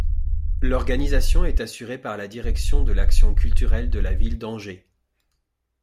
L'organisation est assurée par la direction de l'Action culturelle de la ville d'Angers.